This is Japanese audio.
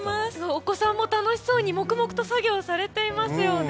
お子さんも楽しそうに黙々と作業されていますよね。